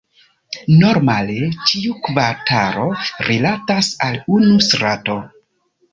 Normale ĉiu kvartalo rilatas al unu strato.